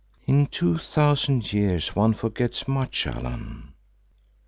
In two thousand years one forgets much, Allan.